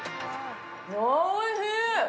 おいしい！